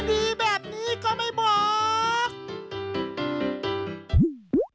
ดีแบบนี้ก็ไม่บอก